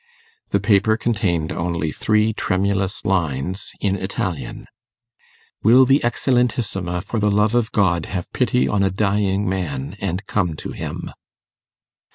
The paper contained only three tremulous lines, in Italian: 'Will the Eccelentissima, for the love of God, have pity on a dying man, and come to him?